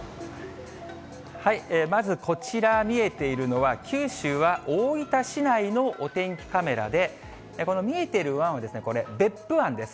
まず、こちら見えているのは、九州は大分市内のお天気カメラで、この見えている湾はですね、これ、別府湾です。